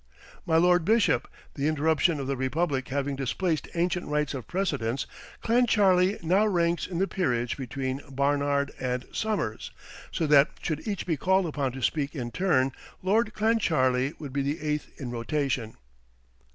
"My Lord Bishop, the interruption of the Republic having displaced ancient rights of precedence, Clancharlie now ranks in the peerage between Barnard and Somers, so that should each be called upon to speak in turn, Lord Clancharlie would be the eighth in rotation."